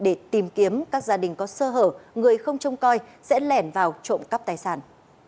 để tìm kiếm các gia đình có sơ hở người không trông coi sẽ lẻn vào trộm cắp tài sản